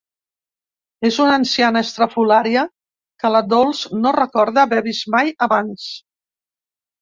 És una anciana estrafolària que la Dols no recorda haver vist mai abans.